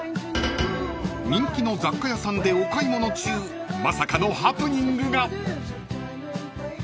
［人気の雑貨屋さんでお買い物中まさかのハプニングが］